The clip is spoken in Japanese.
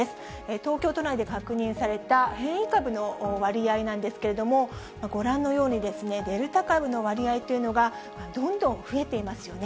東京都内で確認された変異株の割合なんですけれども、ご覧のように、デルタ株の割合というのがどんどん増えていますよね。